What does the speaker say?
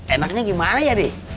enaknya gimana ya dih